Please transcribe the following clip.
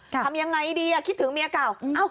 ทำยังไงดีคิดถึงเมียเก่า